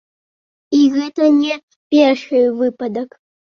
І гэта не першы выпадак.